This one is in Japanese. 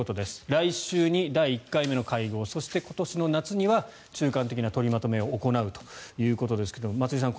来週に第１回目の会合そして、今年の夏には中間的な取りまとめを行うということですが松井さん